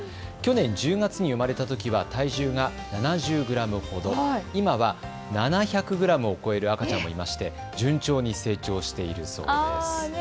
去年１０月に生まれたときは体重が７０グラムほど、今は７００グラムを超える赤ちゃんになりまして順調に成長しているそうです。